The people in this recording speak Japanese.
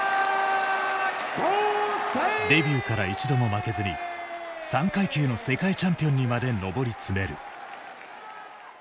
デビューから一度も負けずに３階級の世界チャンピオンにまで上り詰める。